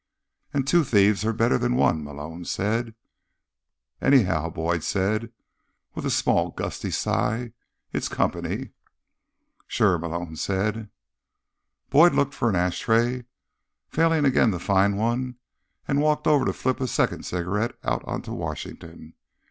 "And two thieves are better than one," Malone said. "Anyhow," Boyd said with a small, gusty sigh, "it's company." "Sure," Malone said. Boyd looked for an ashtray, failed again to find one, and walked over to flip a second cigarette out onto Washington.